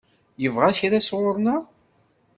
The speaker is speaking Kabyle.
Yebɣa kra sɣur-neɣ?